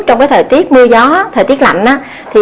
trong cái thời tiết mưa gió thời tiết lạnh á